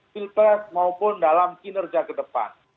pilpres maupun dalam kinerja ke depan